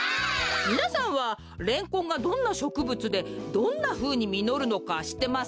みなさんはレンコンがどんなしょくぶつでどんなふうにみのるのかしってますか？